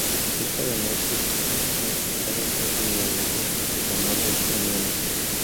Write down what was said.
Hija de maestros en educación, el padre fue bielorruso y la madre, ucraniana.